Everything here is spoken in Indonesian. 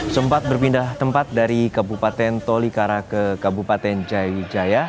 sempat berpindah tempat dari kabupaten tolikara ke kabupaten jayawijaya